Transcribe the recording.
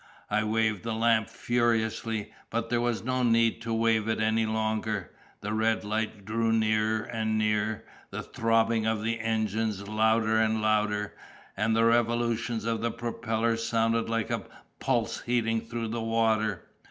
I waved the lamp furiously. But there was no need to wave it any longer. The red light drew nearer and nearer; the throbbing of the engines louder and louder, and the revolutions of the propeller sounded like a pulse heating through the water.